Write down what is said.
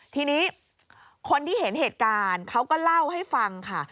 ทีนี้คนที่เห็นเหตุการณ์เขาก็เล่าให้ฟังค่ะ